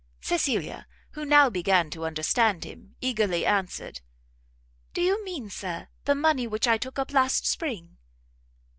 Cecilia, who now began to understand him, eagerly answered, "do you mean, Sir, the money which I took up last spring?"